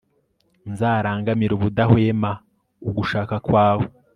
nzarangamire ubudahwema ugushaka kwawe